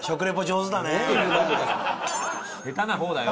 下手な方だよ。